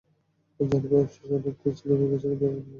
জানি, ভাবছিস অনেক নিচে নেমে গেছি, কিন্তু এমন কিছুই না।